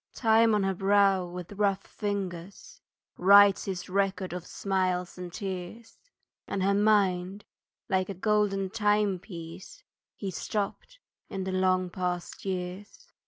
Time on her brow with rough fingers Writes his record of smiles and tears; And her mind, like a golden timepiece, He stopped in the long past years.